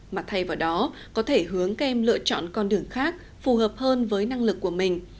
mà thay vào đó có thể hướng các em lựa chọn con đường khác phù hợp hơn với năng lực của mình